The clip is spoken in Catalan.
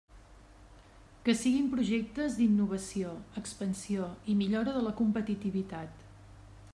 Que siguin projectes d'innovació, expansió i millora de la competitivitat.